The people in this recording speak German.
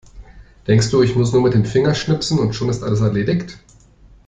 Denkst du, ich muss nur mit dem Finger schnipsen und schon ist alles erledigt?